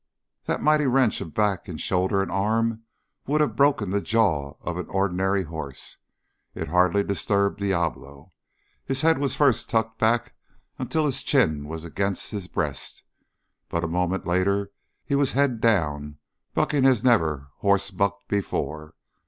That mighty wrench of back and shoulder and arm would have broken the jaw of an ordinary horse; it hardly disturbed Diablo. His head was first tucked back until his chin was against his breast, but a moment later he was head down, bucking as never horse bucked before.